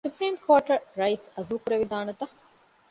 ސުޕްރީމް ކޯޓަށް ރައީސް އަޒުލް ކުރެވިދާނެތަ؟